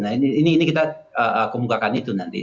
nah ini kita kemukakan itu nanti